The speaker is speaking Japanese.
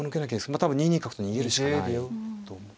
まあ多分２二角と逃げるしかないと思う。